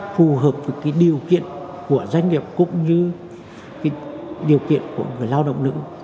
phù hợp với cái điều kiện của doanh nghiệp cũng như cái điều kiện của người lao động nữ